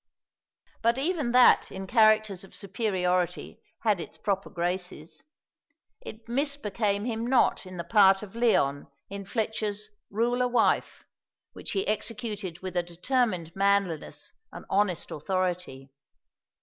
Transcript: But even that in characters of superiority had its proper graces; it misbecame him not in the part of Leon in Fletcher's 'Rule a Wife,' which he executed with a determined manliness and honest authority.